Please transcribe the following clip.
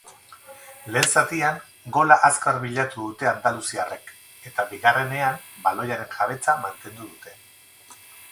Lehen zatian gola azkar bilatu dute andaluziarrek eta bigarrenean baloiaren jabetza mantendu dute.